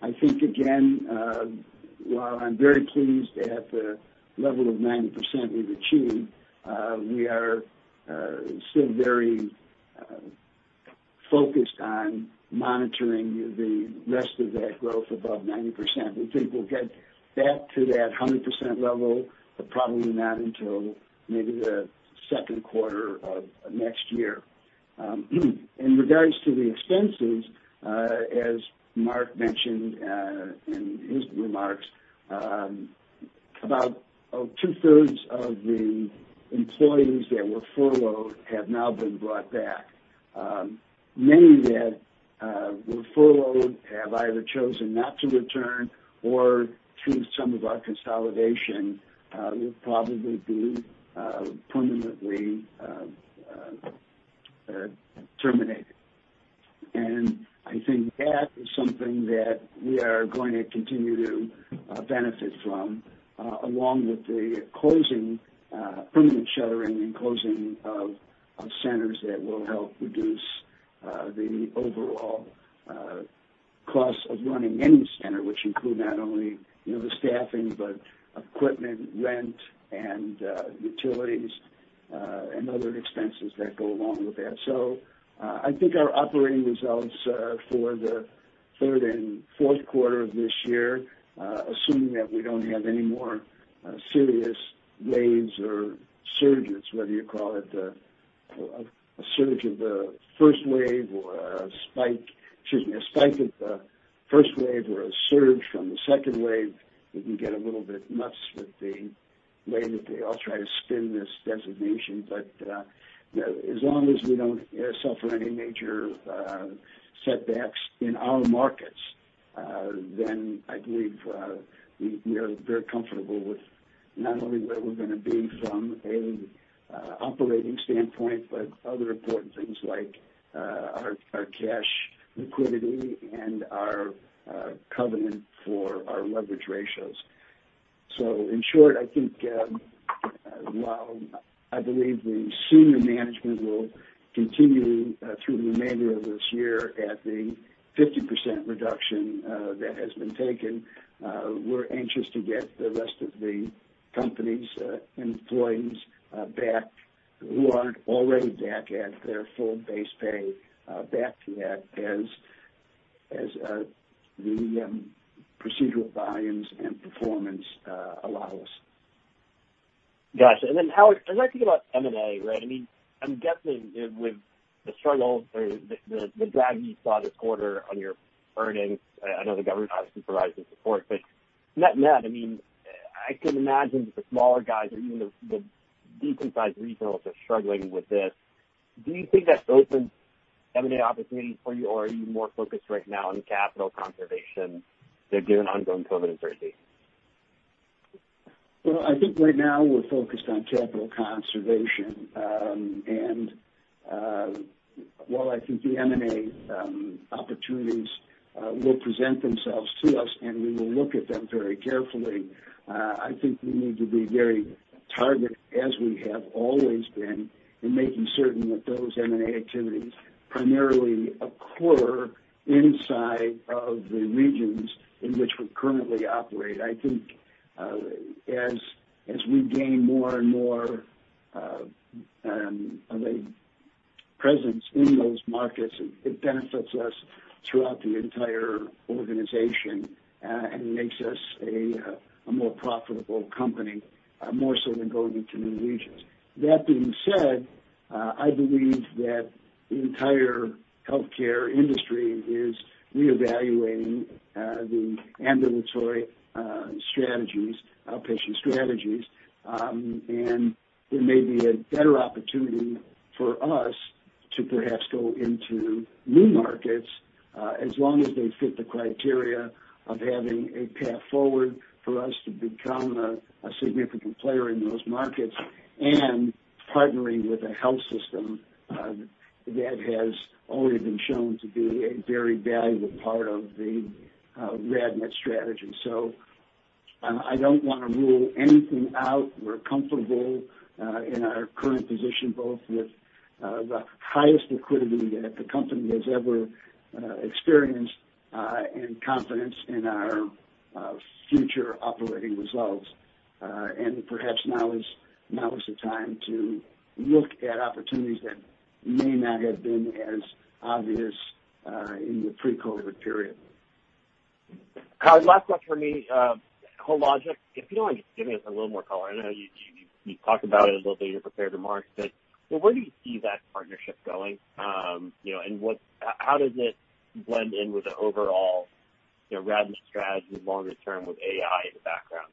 I think, again, while I'm very pleased at the level of 90% we've achieved, we are still very focused on monitoring the rest of that growth above 90%. We think we'll get back to that 100% level, but probably not until maybe the second quarter of next year. In regards to the expenses, as Mark mentioned in his remarks, about 2/3 of the employees that were furloughed have now been brought back. Many that were furloughed have either chosen not to return or, through some of our consolidation, will probably be permanently terminated. I think that is something that we are going to continue to benefit from, along with the permanent shuttering and closing of centers that will help reduce the overall cost of running any center, which include not only the staffing, but equipment, rent, and utilities, and other expenses that go along with that. I think our operating results for the third and fourth quarter of this year, assuming that we don't have any more serious waves or surges, whether you call it a spike of the first wave or a surge from the second wave, it can get a little bit nuts with the way that they all try to spin this designation. As long as we don't suffer any major setbacks in our markets, I believe we are very comfortable with not only where we're going to be from a operating standpoint, but other important things like our cash liquidity and our covenant for our leverage ratios. In short, I think while I believe the senior management will continue through the remainder of this year at the 50% reduction that has been taken, we're anxious to get the rest of the company's employees back who aren't already back at their full base pay, back to that as the procedural volumes and performance allows. Got you. Howard, as I think about M&A, I'm guessing with the struggle or the drag you saw this quarter on your earnings, I know the government obviously provided support. Net-net, I can imagine that the smaller guys or even the decent sized regionals are struggling with this. Do you think that opens M&A opportunities for you, or are you more focused right now on capital conservation given ongoing COVID uncertainty? Well, I think right now we're focused on capital conservation. While I think the M&A opportunities will present themselves to us, and we will look at them very carefully, I think we need to be very targeted, as we have always been, in making certain that those M&A activities primarily occur inside of the regions in which we currently operate. I think as we gain more and more of a presence in those markets, it benefits us throughout the entire organization and makes us a more profitable company, more so than going into new regions. That being said, I believe that the entire healthcare industry is reevaluating the ambulatory strategies, outpatient strategies, and there may be a better opportunity for us to perhaps go into new markets, as long as they fit the criteria of having a path forward for us to become a significant player in those markets and partnering with a health system that has already been shown to be a very valuable part of the RadNet strategy. I don't want to rule anything out. We're comfortable in our current position, both with the highest liquidity that the company has ever experienced and confidence in our future operating results. Perhaps now is the time to look at opportunities that may not have been as obvious in the pre-COVID period. Howard, last one from me. Hologic, if you don't mind just giving us a little more color. I know you talked about it a little bit in your prepared remarks, but where do you see that partnership going? How does it blend in with the overall RadNet strategy longer term with AI in the background?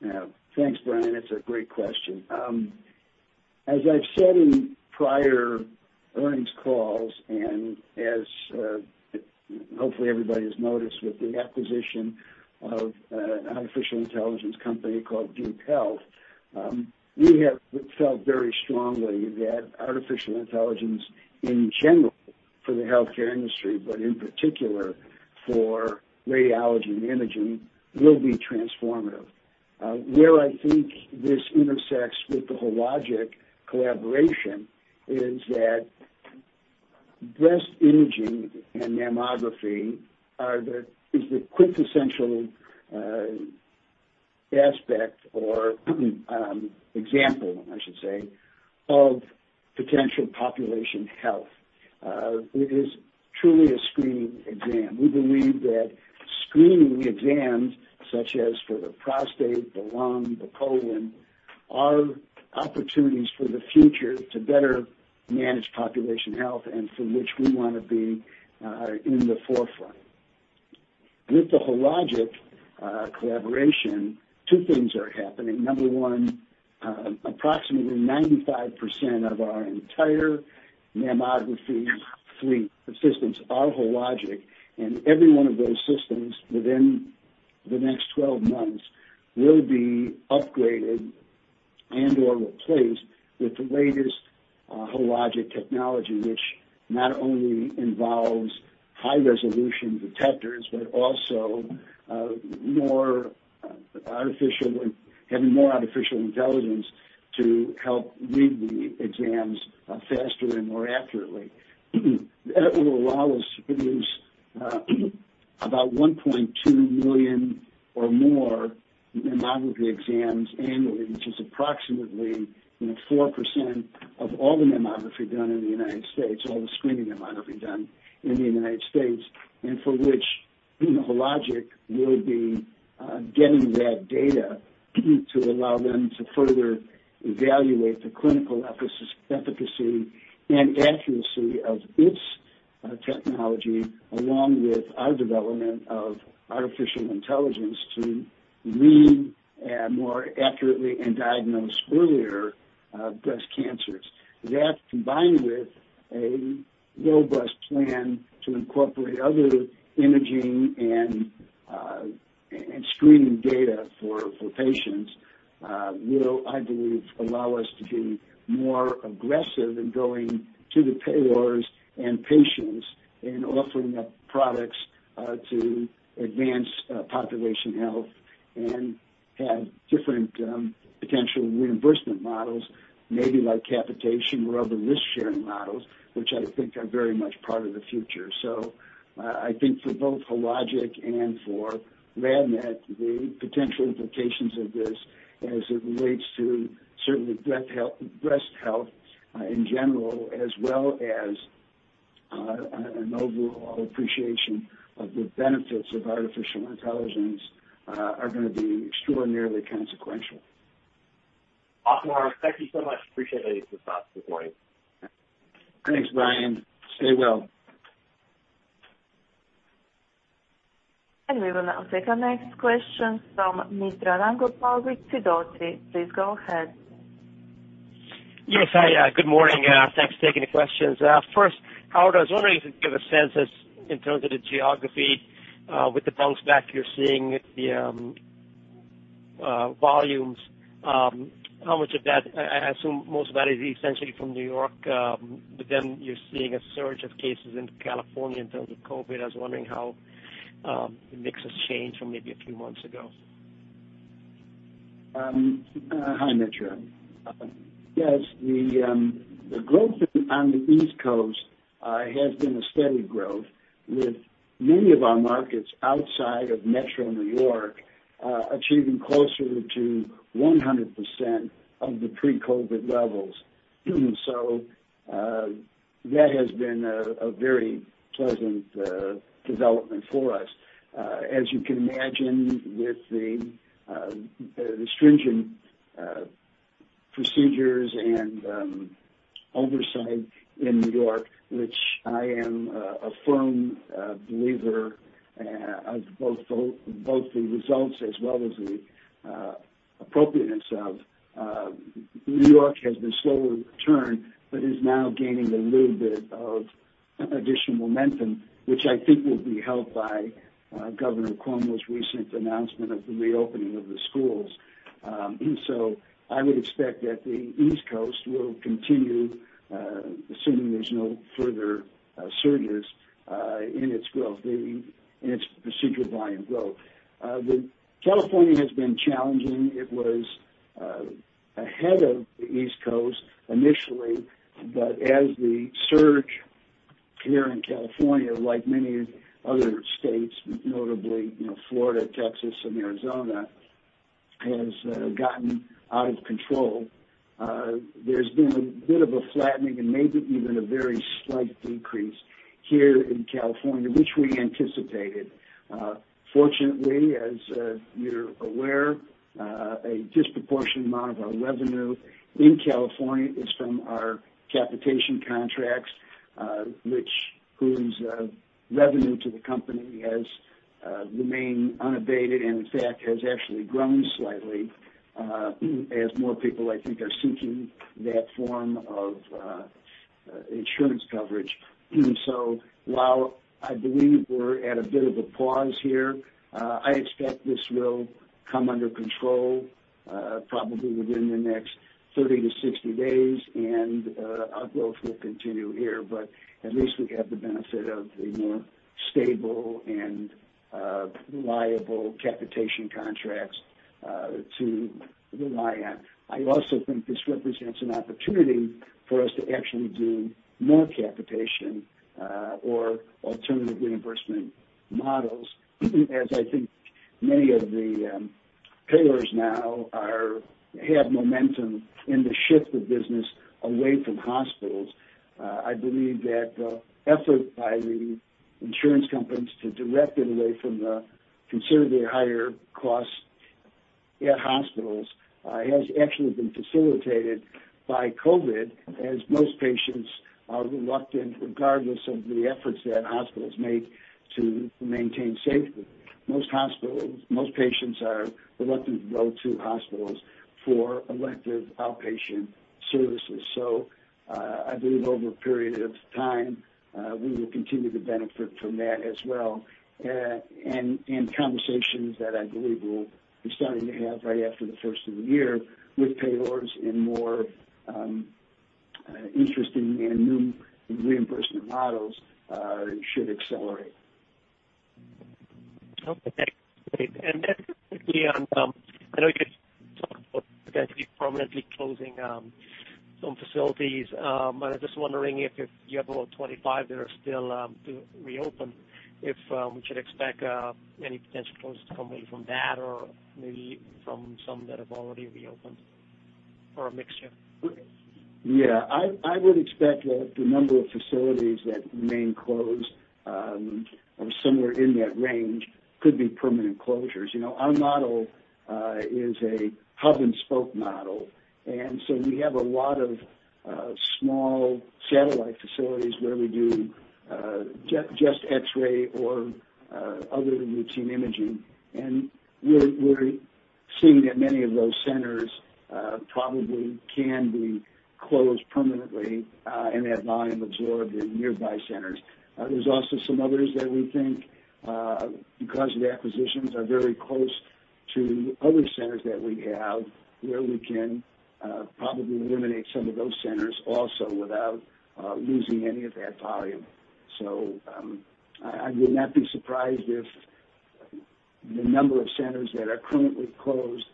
Yeah. Thanks, Brian. That's a great question. As I've said in prior earnings calls, and as hopefully everybody's noticed with the acquisition of an artificial intelligence company called DeepHealth, we have felt very strongly that artificial intelligence in general for the healthcare industry, but in particular for radiology and imaging, will be transformative. Where I think this intersects with the Hologic collaboration is that breast imaging and mammography is the quintessential aspect or example, I should say, of potential population health. It is truly a screening exam. We believe that screening exams, such as for the prostate, the lung, the colon, are opportunities for the future to better manage population health, and for which we want to be in the forefront. With the Hologic collaboration, two things are happening. Number one, approximately 95% of our entire mammography fleet systems are Hologic, and every one of those systems within the next 12 months will be upgraded and/or replaced with the latest Hologic technology, which not only involves high-resolution detectors but also having more artificial intelligence to help read the exams faster and more accurately. That will allow us to produce about 1.2 million or more mammography exams annually, which is approximately 4% of all the mammography done in the United States, all the screening mammography done in the United States, and for which Hologic will be getting that data to allow them to further evaluate the clinical efficacy and accuracy of its technology, along with our development of artificial intelligence to read more accurately and diagnose earlier breast cancers. That, combined with a robust plan to incorporate other imaging and screening data for patients, will, I believe, allow us to be more aggressive in going to the payers and patients in offering up products to advance population health and have different potential reimbursement models, maybe like capitation or other risk-sharing models, which I think are very much part of the future. I think for both Hologic and for RadNet, the potential implications of this as it relates to certainly breast health in general, as well as an overall appreciation of the benefits of artificial intelligence are going to be extraordinarily consequential. Awesome, Howard. Thank you so much. Appreciate all your thoughts this morning. Thanks, Brian. Stay well. We will now take our next question from Mitra Ramgopal with Sidoti. Please go ahead. Yes. Hi. Good morning. Thanks for taking the questions. First, Howard, I was wondering if you could give a sense in terms of the geography with the bounce back you're seeing the volumes. I assume most of that is essentially from New York, but then you're seeing a surge of cases in California in terms of COVID-19. I was wondering how the mix has changed from maybe a few months ago. Hi, Mitra. Yes. The growth on the East Coast has been a steady growth, with many of our markets outside of metro New York achieving closer to 100% of the pre-COVID levels. That has been a very pleasant development for us. As you can imagine, with the stringent procedures and oversight in New York, which I am a firm believer of both the results as well as the appropriateness of, New York has been slower to return but is now gaining a little bit of additional momentum, which I think will be helped by Governor Cuomo's recent announcement of the reopening of the schools. I would expect that the East Coast will continue, assuming there's no further surges, in its procedural volume growth. California has been challenging. It was ahead of the East Coast initially, but as the surge here in California, like many other states, notably Florida, Texas, and Arizona, has gotten out of control, there's been a bit of a flattening and maybe even a very slight decrease here in California, which we anticipated. Fortunately, as you're aware, a disproportionate amount of our revenue in California is from our capitation contracts, whose revenue to the company has remained unabated, and in fact, has actually grown slightly as more people, I think, are seeking that form of insurance coverage. While I believe we're at a bit of a pause here, I expect this will come under control probably within the next 30 to 60 days, and our growth will continue here. At least we have the benefit of the more stable and reliable capitation contracts to rely on. I also think this represents an opportunity for us to actually do more capitation or alternative reimbursement models, as I think many of the payers now have momentum in the shift of business away from hospitals. I believe that effort by the insurance companies to direct it away from the considerably higher costs at hospitals has actually been facilitated by COVID-19, as most patients are reluctant, regardless of the efforts that hospitals make to maintain safety. Most patients are reluctant to go to hospitals for elective outpatient services. I believe over a period of time, we will continue to benefit from that as well, and conversations that I believe we'll be starting to have right after the first of the year with payers in more interesting and new reimbursement models should accelerate. Okay. Thanks. Quickly on, I know you talked about potentially permanently closing some facilities. I was just wondering if you have about 25 that are still to reopen, if we should expect any potential closures to come maybe from that or maybe from some that have already reopened or a mixture? I would expect that the number of facilities that remain closed or somewhere in that range could be permanent closures. Our model is a hub and spoke model, we have a lot of small satellite facilities where we do just x-ray or other routine imaging. We're seeing that many of those centers probably can be closed permanently and that volume absorbed in nearby centers. There's also some others that we think, because of the acquisitions, are very close to other centers that we have where we can probably eliminate some of those centers also without losing any of that volume. I would not be surprised if the number of centers that are currently closed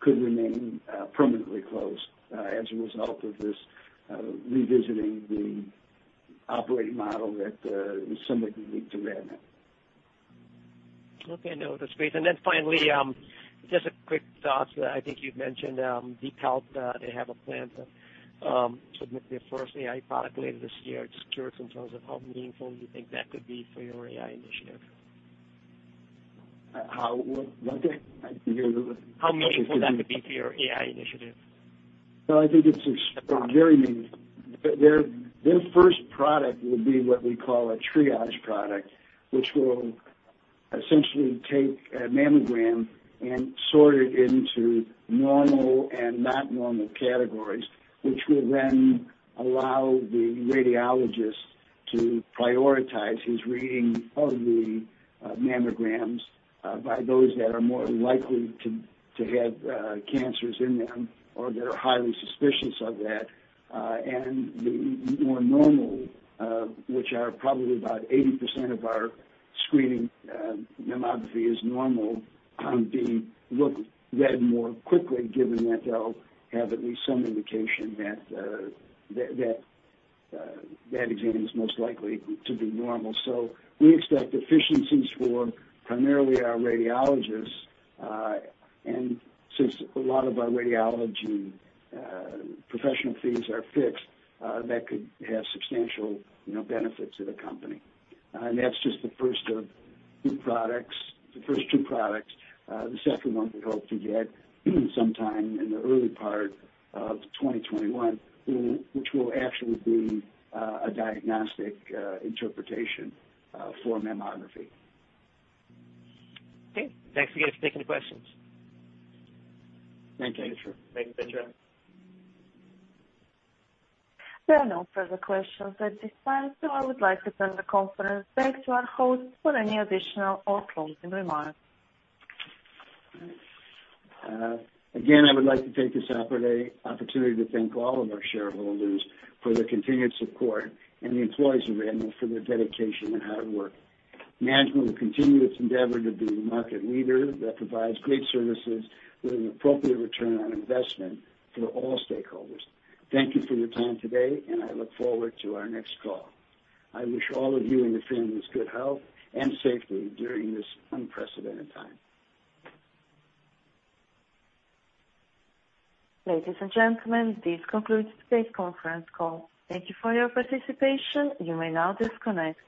could remain permanently closed as a result of this revisiting the operating model that was somewhat unique to RadNet. Okay. No, that's great. Then finally, just a quick thought. I think you've mentioned DeepHealth, they have a plan to submit their first AI product later this year. Just curious in terms of how meaningful you think that could be for your AI initiative? How, what? How meaningful that could be for your AI initiative. I think it's very meaningful. Their first product would be what we call a triage product, which will essentially take a mammogram and sort it into normal and not normal categories, which will then allow the radiologist to prioritize his reading of the mammograms by those that are more likely to have cancers in them, or that are highly suspicious of that. The more normal, which are probably about 80% of our screening mammography is normal, being looked at more quickly, given that they'll have at least some indication that that exam is most likely to be normal. We expect efficiencies for primarily our radiologists, and since a lot of our radiology professional fees are fixed, that could have substantial benefit to the company. That's just the first of two products. The second one we hope to get sometime in the early part of 2021, which will actually be a diagnostic interpretation for mammography. Okay. Thanks again for taking the questions. Thank you. Thanks. There are no further questions at this time, so I would like to turn the conference back to our host for any additional or closing remarks. Again, I would like to take this opportunity to thank all of our shareholders for their continued support and the employees of RadNet for their dedication and hard work. Management will continue its endeavor to be the market leader that provides great services with an appropriate return on investment for all stakeholders. Thank you for your time today, and I look forward to our next call. I wish all of you and your families good health and safety during this unprecedented time. Ladies and gentlemen, this concludes today's conference call. Thank you for your participation. You may now disconnect.